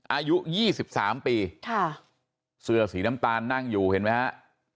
อายุยี่สิบสามปีค่ะเสือสีน้ำตาลนั่งอยู่เห็นไหมฮะ